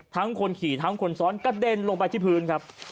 คนขี่ทั้งคนซ้อนกระเด็นลงไปที่พื้นครับ